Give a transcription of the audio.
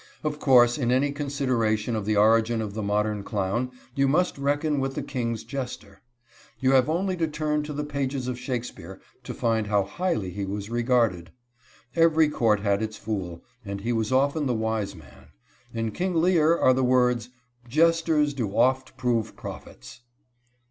Of course, in any consideration of the origin of the modern clown you must reckon with the king's jester. You have only to turn to the pages of Shakespeare to find how highly he was regarded. Every court had its fool, and he was often the wise man. In King Lear are the words: "_Jesters do oft prove prophets.